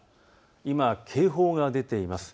今、警報が出ています。